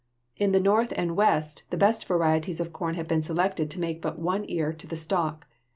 In the North and West the best varieties of corn have been selected to make but one ear to the stalk.